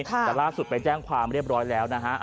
แต่ล่าสุดไปแจ้งความเรียบร้อยแล้วนะฮะ